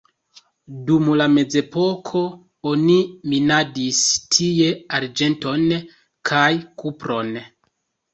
Dum la mezepoko oni minadis tie arĝenton kaj kupron.